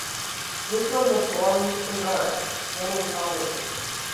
Guttmann was born in Arad, then in Hungary.